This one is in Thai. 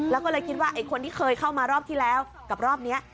แล้วคิดว่าคนที่เขามารอบที่แล้วกับรอบนี้